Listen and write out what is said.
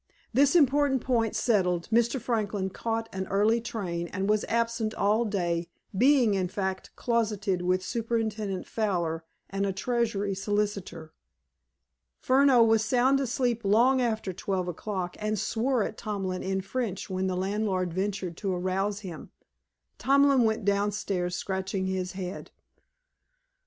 This important point settled, Mr. Franklin caught an early train, and was absent all day, being, in fact, closeted with Superintendent Fowler and a Treasury solicitor. Furneaux was sound asleep long after twelve o'clock, and swore at Tomlin in French when the landlord ventured to arouse him. Tomlin went downstairs scratching his head.